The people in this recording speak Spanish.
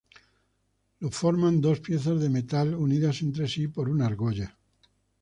Lo forman dos piezas de metal unidas entre sí por una argolla.